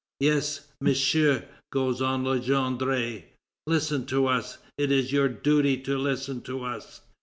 "Yes, Monsieur," goes on Legendre, "listen to us; it is your duty to listen to us....